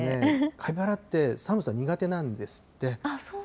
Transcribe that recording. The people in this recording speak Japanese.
カピバラって寒さ苦手なんですって。